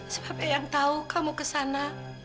sebab yang tahu kamu ke sana